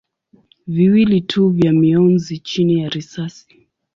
viwili tu vya mionzi chini ya risasi.